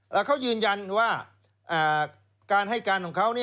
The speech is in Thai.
แล้วเขายืนยันว่าการให้การของเขา